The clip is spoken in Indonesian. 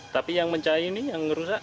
tapi yang mencari ini yang merusak